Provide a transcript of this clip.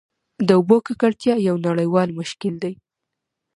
د اوبو ککړتیا یو نړیوال مشکل دی.